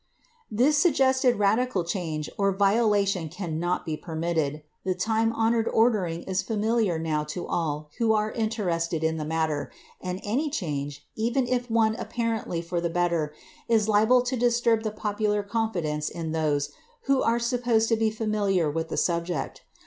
This suggested radical change or violation cannot be permitted. The time honored ordering is familiar now to all who are interested in the matter, and any change, even if one apparently for the better, is liable to disturb the popular confidence in those who are supposed to be familiar with the subject.